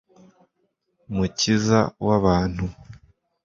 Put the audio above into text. mukiza w'abantu